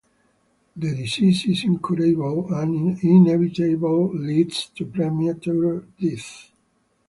The disease is incurable and inevitably leads to premature death.